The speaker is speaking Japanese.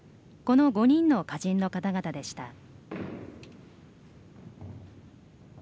この５人の歌人の方々でした。